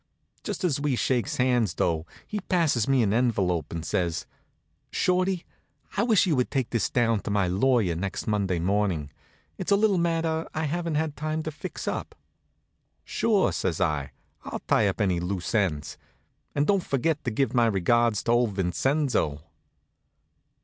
Just as we shakes hands though, he passes me an envelope and says: "Shorty, I wish you'd take this down to my lawyer next Monday morning. It's a little matter I haven't had time to fix up." "Sure," says I. "I'll tie up any loose ends. And don't forget to give my regards to old Vincenzo."